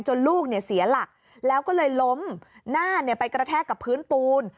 ลูกเสียหลักแล้วก็เลยล้มหน้าไปกระแทกกับพื้นปูน